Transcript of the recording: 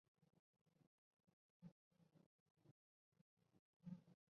李弘从此失宠。